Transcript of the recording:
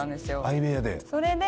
相部屋で？